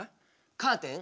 カーテン。